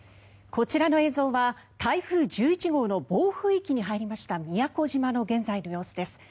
こちらの映像は台風１１号の暴風域に入りました宮古島の現在の様子です。